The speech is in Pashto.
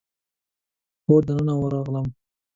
کور ته دننه ورغلم.